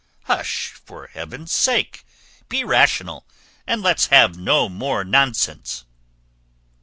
Hush, for heaven's sake, be rational and let's have no more nonsense."